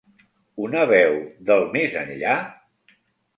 ¿Una veu del més enllà?